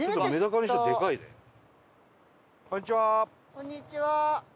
こんにちは。